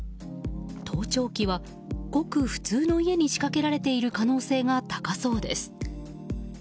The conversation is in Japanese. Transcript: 盗聴器は、ごく普通の家に仕掛けられている可能性が高そうです。